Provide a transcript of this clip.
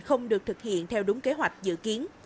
không được thực hiện theo đúng kế hoạch dự kiến